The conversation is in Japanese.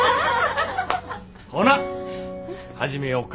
ほな始めよか。